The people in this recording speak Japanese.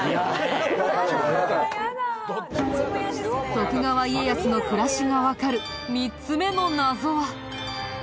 徳川家康の暮らしがわかる３つ目の謎は。